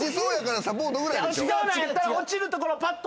落ちそうなんやったら。